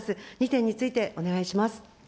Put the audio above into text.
２点についてお願いします。